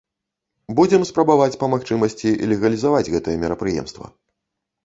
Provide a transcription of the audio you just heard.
Будзем спрабаваць па магчымасці легалізаваць гэтае мерапрыемства.